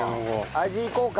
味いこうか。